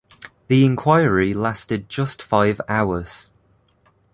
The enquiry lasted just five hours.